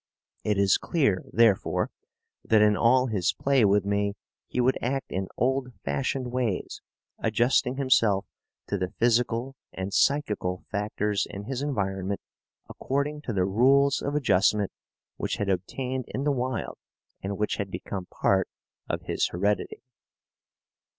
It is clear, therefore, that in all his play with me he would act in old fashioned ways, adjusting himself to the physical and psychical factors in his environment according to the rules of adjustment which had obtained in the wild and which had become part of his heredity.